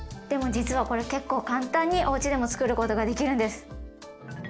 でも実はこれ結構簡単におうちでもつくることができるんです。